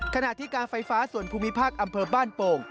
ขณะที่การไฟฟ้าส่วนภูมิภาคอำเภอบ้านโป่ง